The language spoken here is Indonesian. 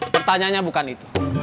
pertanyaannya bukan itu